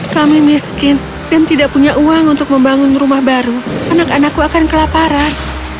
kami miskin dan tidak punya uang untuk membangun rumah baru anak anakku akan kelaparan